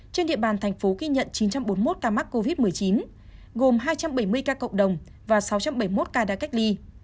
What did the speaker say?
trên địa bàn thành phố ghi nhận chín trăm bốn mươi một ca mắc covid một mươi chín gồm hai trăm bảy mươi ca cộng đồng và sáu trăm bảy mươi một ca đã cách ly